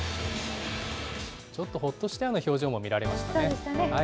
ちょっとほっとしたような表情も見られましたね。